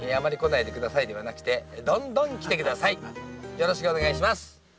よろしくお願いします。